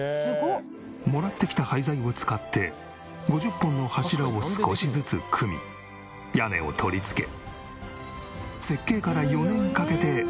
もらってきた廃材を使って５０本の柱を少しずつ組み屋根を取りつけ設計から４年かけて。